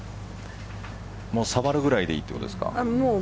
もう触るぐらいでいいということですか。